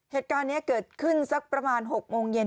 เหตุการณ์นี้เกิดขึ้นสักประมาณ๖โมงเย็น